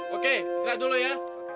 oke istirahat dulu ya